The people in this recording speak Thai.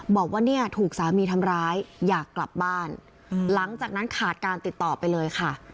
บอกว่าเนี่ยถูกสามีทำร้ายอยากกลับบ้านหลังจากนั้นขาดการติดต่อไปเลยค่ะ